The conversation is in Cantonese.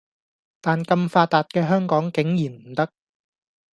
但咁發達嘅香港竟然唔得